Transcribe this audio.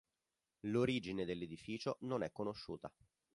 L'origine dell'edificio non è conosciuta.